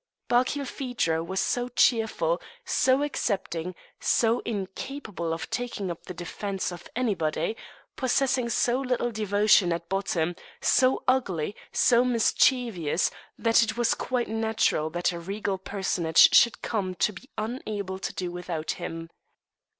Barkilphedro was so cheerful, so accepting, so incapable of taking up the defence of anybody, possessing so little devotion at bottom, so ugly, so mischievous, that it was quite natural that a regal personage should come to be unable to do without him.